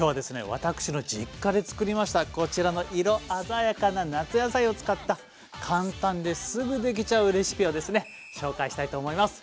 私の実家で作りましたこちらの色鮮やかな夏野菜を使った簡単ですぐできちゃうレシピをですね紹介したいと思います。